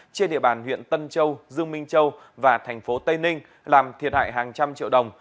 trên địa bàn huyện tân châu dương minh châu và thành phố tây ninh làm thiệt hại hàng trăm triệu đồng